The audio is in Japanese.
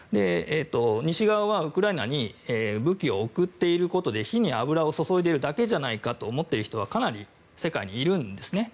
西側はウクライナに武器を送っていることで火に油を注いでるだけじゃないかと思っている人はかなり世界にいるんですね。